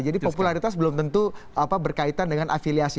jadi popularitas belum tentu berkaitan dengan afiliasi